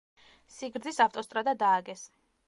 სიგრძის ავტოსტრადა დააგეს.